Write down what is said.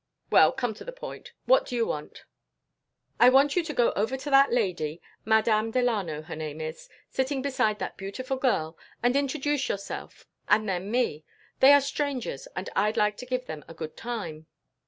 "Well, come to the point. What do you want?" "I want you to go over to that lady Madame Delano, her name is sitting beside that beautiful girl, and introduce yourself and then me. They are strangers and I'd like to give them a good time."